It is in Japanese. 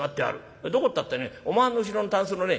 「どこったってねおまんの後ろのたんすのね